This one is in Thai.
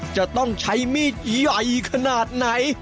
จะต้องใช้มีดใหญ่ขนาดไหน